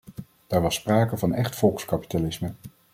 Daar was sprake van echt volkskapitalisme.